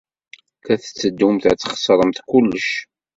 La tetteddumt ad txeṣremt kullec.